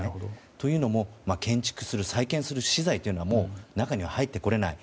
というのも建築する・再建する資材も中には入ってこれない。